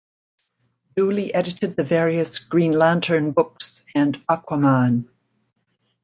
Dooley edited the various "Green Lantern" books and "Aquaman".